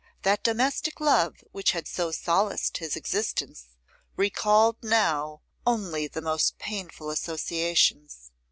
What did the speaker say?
That domestic love which had so solaced his existence, recalled now only the most painful associations.